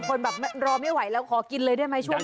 คนแบบรอไม่ไหวแล้วขอกินเลยได้ไหมช่วงนี้